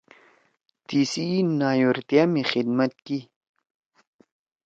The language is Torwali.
تیِسی نایورتیا می خدمت کی